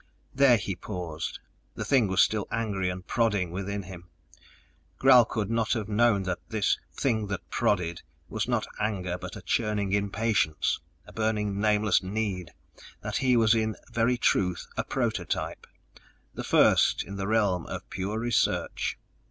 There he paused; the thing was still angry and prodding within him; Gral could not have known that this "thing that prodded" was not anger but a churning impatience, a burning nameless need that he was in very truth a prototype, the first in the realm of pure research!